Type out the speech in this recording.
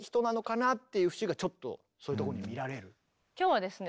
今日はですね